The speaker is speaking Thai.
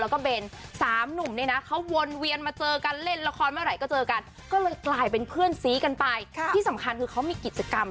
ก็เลยกลายไปเป็นเพื่อนศรีกันไปค่ะคิดสำคัญคือเขามีกิจกรรม